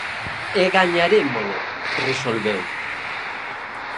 "E gañarémolo", resolveu.